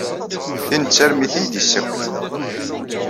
Tin d tarmit ay iyi-d-yessakin.